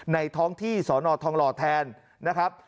ท้องที่สอนอทองหล่อแทนนะครับ